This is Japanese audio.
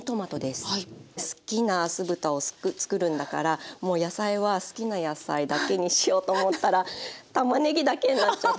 好きな酢豚を作るんだからもう野菜は好きな野菜だけにしようと思ったらたまねぎだけになっちゃって。